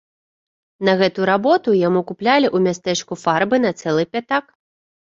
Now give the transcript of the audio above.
На гэту работу яму куплялі ў мястэчку фарбы на цэлы пятак.